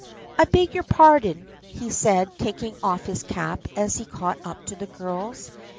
" I beg your pardon," he said, taking off his cap as he caught up to the girls.